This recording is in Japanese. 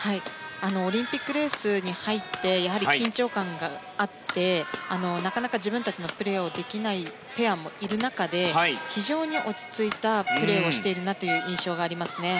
オリンピックレースに入って緊張感があってなかなか自分たちのプレーができないペアもいる中で非常に落ち着いたプレーをしているなという印象がありますね。